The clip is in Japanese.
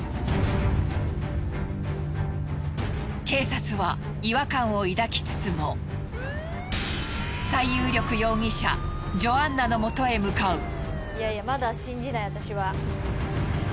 警察は違和感を抱きつつも最有力容疑者ジョアンナのもとへ向かう。